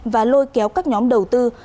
và lôi kéo các nhóm đầu tư